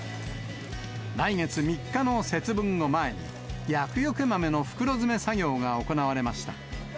来月３日の節分を前に、厄除け豆の袋詰め作業が行われました。